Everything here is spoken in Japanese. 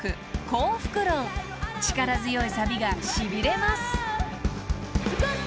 ［力強いサビがしびれます］